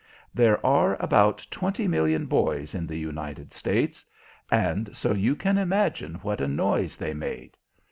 There are about twenty million boys in the United States, and so you can imagine what a noise they made.